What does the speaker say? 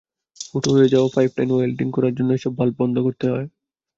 ফুটো হয়ে যাওয়া পাইপলাইন ওয়েল্ডিং করার জন্য এসব বাল্ব বন্ধ করতে হয়।